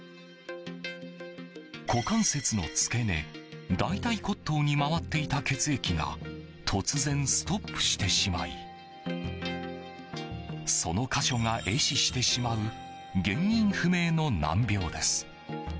股関節の付け根大腿骨頭に回っていた血液が突然、ストップしてしまいその箇所が壊死してしまう原因不明の難病です。